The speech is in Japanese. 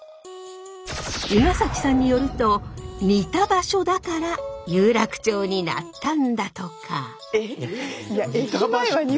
伊ケ崎さんによると似た場所だから有楽町になったんだとか。